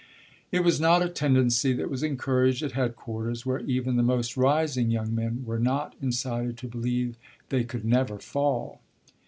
It was not a tendency that was encouraged at headquarters, where even the most rising young men were not incited to believe they could never fall.